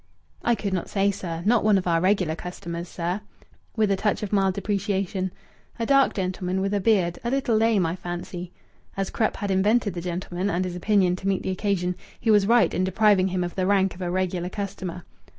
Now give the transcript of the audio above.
"I could not say, sir. Not one of our regular customers, sir," with a touch of mild depreciation. "A dark gentleman, with a beard, a little lame, I fancy." As Krupp had invented the gentleman and his opinion to meet the occasion, he was right in depriving him of the rank of a regular customer.